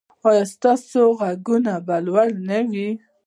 ایا ستاسو غرونه به لوړ نه وي؟